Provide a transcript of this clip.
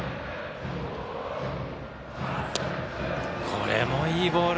これもいいボール。